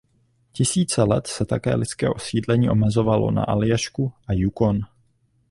Tisíce let se tak lidské osídlení omezovalo na Aljašku a Yukon.